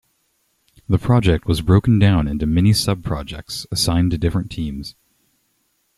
The project was broken down into many subprojects assigned to different teams.